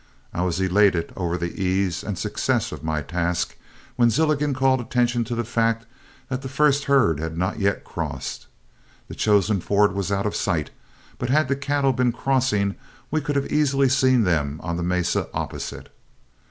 I was elated over the ease and success of my task, when Zilligan called attention to the fact that the first herd had not yet crossed. The chosen ford was out of sight, but had the cattle been crossing, we could have easily seen them on the mesa opposite.